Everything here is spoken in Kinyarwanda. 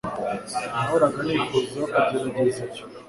nahoraga nifuza kugerageza ibyo